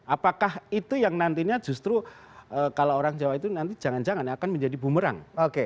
apakah itu yang nantinya justru kalau orang jawa itu nanti jangan jangan akan menjadi bumerang